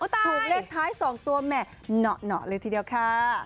ถูกเลขท้าย๒ตัวแหม่เหนาะเลยทีเดียวค่ะ